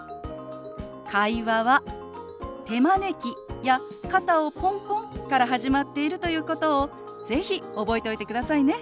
会話は手招きや肩をポンポンから始まっているということを是非覚えておいてくださいね。